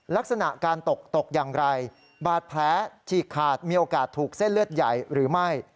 ลักษณะการตกตกอย่างไรบาดแผลฉีกขาดมีโอกาสถูกเส้นเลือดใหญ่หรือไม่